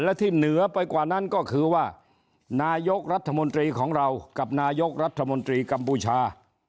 และที่เหนือไปกว่านั้นก็คือว่านายกรัฐมนตรีของเรากับนายกรัฐมนตรีกัมพูชา